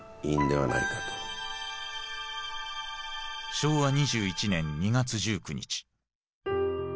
昭和２１年２月１９日。